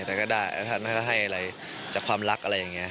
แต่ก็ได้แล้วท่านก็ให้อะไรจากความรักอะไรอย่างนี้